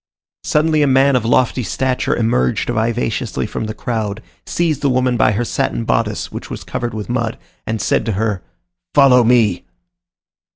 Suddenly a man of lofty stature emerged vivaciously from the crowd, seized the woman by her satin bodice, which was covered with mud, and said to her, "Follow me!"